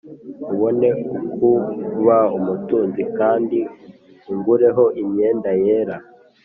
ubone ukuba umutunzi, kandi ungureho imyenda yera